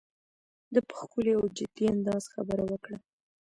ده په ښکلي او جدي انداز خبره وکړه.